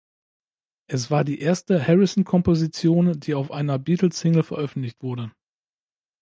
Es war die erste Harrison-Komposition, die auf einer Beatles-Single veröffentlicht wurde.